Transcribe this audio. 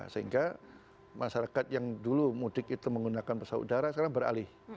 sehingga masyarakat yang dulu mudik itu menggunakan pesawat udara sekarang beralih